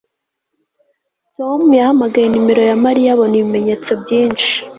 tom yahamagaye nimero ya mariya abona ibimenyetso byinshi